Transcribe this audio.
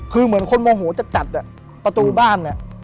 คือเหมือนคนโมโหจัดประตูบ้าน